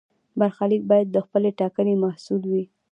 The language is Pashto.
برخلیک باید د خپلې ټاکنې محصول وي.